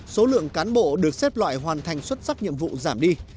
số lượng cán bộ được xếp loại hoàn thành xuất sắc nhiệm vụ giảm đi